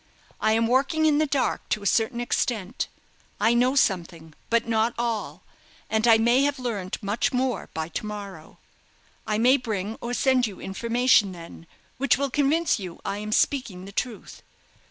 I am working in the dark to a certain extent. I know something, but not all, and I may have learned much more by to morrow. I may bring or send you information then, which will convince you I am speaking the truth.